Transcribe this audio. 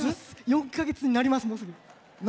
４か月になります、もうすぐ。